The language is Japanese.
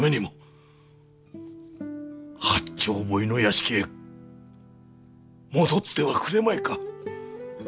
八丁堀の屋敷へ戻ってはくれまいか。